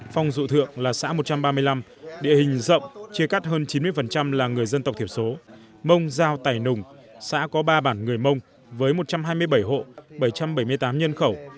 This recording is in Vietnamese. phong dụ thượng là xã một trăm ba mươi năm địa hình rộng chia cắt hơn chín mươi là người dân tộc thiểu số mông giao tài nùng xã có ba bản người mông với một trăm hai mươi bảy hộ bảy trăm bảy mươi tám nhân khẩu